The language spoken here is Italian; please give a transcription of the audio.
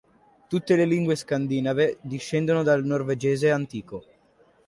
Tutte le lingue scandinave discendono dal norvegese antico.